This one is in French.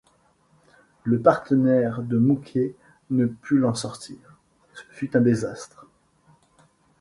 Le partenaire de Mouquet ne put l'en sortir, ce fut un désastre.